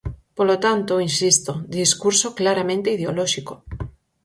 Polo tanto, insisto: discurso claramente ideolóxico.